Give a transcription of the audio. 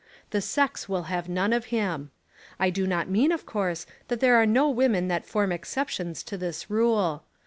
The sex will have none of him. I do not mean, of course, that there are no women that form exceptions to this rule.